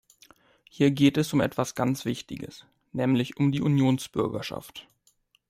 Hier geht es um etwas ganz Wichtiges, nämlich um die Unionsbürgerschaft.